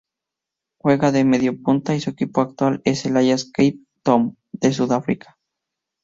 Juega de mediapunta y su equipo actual es el Ajax Cape Town de Sudáfrica.